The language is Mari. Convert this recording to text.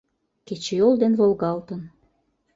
Кечыйол ден волгалтын.